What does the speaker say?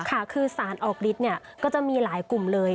ค่ะคือสารออกฤทธิ์เนี่ยก็จะมีหลายกลุ่มเลย